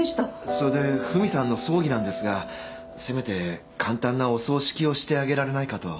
それでフミさんの葬儀なんですがせめて簡単なお葬式をしてあげられないかと。